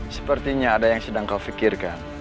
sepertinya ada yang sedang kau pikirkan